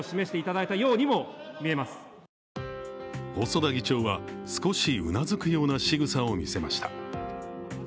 細田議長は、少しうなずくようなしぐさを見せました。